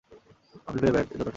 আফিফের ব্যাটে যতটা